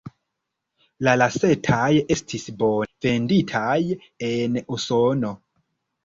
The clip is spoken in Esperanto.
La lastaj estis bone venditaj en Usono.